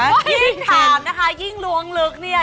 ก็ยิ่งถามนะคะยิ่งล้วงลึกเนี่ย